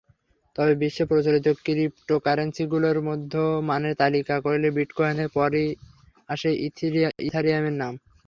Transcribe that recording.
তবে বিশ্বে প্রচলিত ক্রিপ্টোকারেন্সিগুলোর মানের তালিকা করলে বিটকয়েনের পরই আসে ইথারিয়ামের নাম।